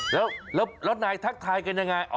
แล้วนายทักทายกันยังไง